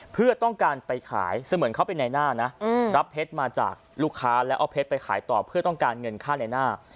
เพื่อต้องการไปขายเสมือนเขาเป็นในหน้านะรับเพชรมาจากลูกค้าแล้วเอาเพชรไปขายต่อเพื่อต้องการเงินค่าในหน้า